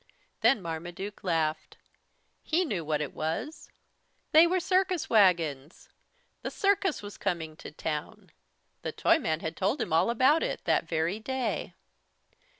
Then Marmaduke laughed. He knew what it was. They were circus wagons! The circus was coming to town! The Toyman had told him all about it, that very day.